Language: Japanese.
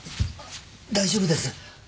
大丈夫です。